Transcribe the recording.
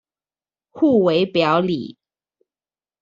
互為表裡